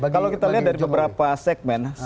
kalau kita lihat dari beberapa segmen